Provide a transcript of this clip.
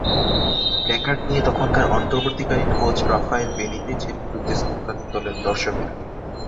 Placard নিয়ে তখনকার অন্তর্বর্তীকালীন কোচ রাফায়েল বেনিতেজের বিরুদ্ধে স্লোগান তোলেন দর্শকেরা।